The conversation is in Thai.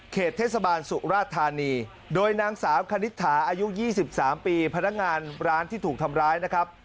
เทศบาลสุราธานีโดยนางสาวคณิตถาอายุ๒๓ปีพนักงานร้านที่ถูกทำร้ายนะครับ